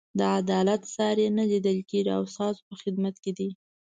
د عدالت ساری یې نه لیدل کېږي او ستاسو په خدمت کې دی.